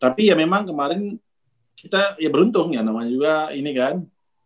tapi ya memang kemarin kita ya beruntung ya namanya juga ini kan